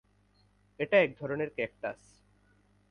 এরা একধরনের ক্যাকটাস।